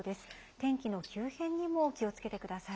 天気の急変にも気をつけてください。